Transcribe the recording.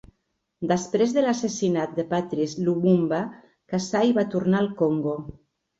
Després de l'assassinat de Patrice Lumumba, Kasai va tornar al Congo.